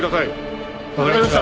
わかりました。